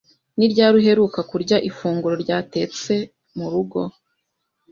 Ni ryari uheruka kurya ifunguro ryatetse murugo?